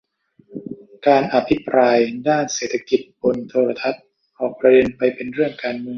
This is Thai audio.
การอภิปรายด้านเศรษฐกิจบนโทรทัศน์ออกประเด็นไปเป็นเรื่องการเมือง